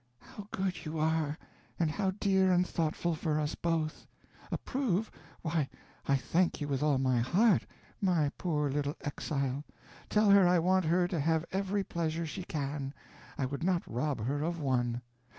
"How good you are, and how dear and thoughtful for us both! Approve? Why, I thank you with all my heart. My poor little exile! Tell her I want her to have every pleasure she can I would not rob her of one.